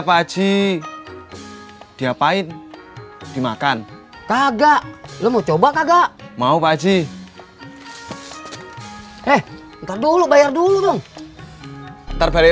pak haji diapain dimakan kagak lu mau coba kagak mau pak haji eh ntar dulu bayar dulu ntar balik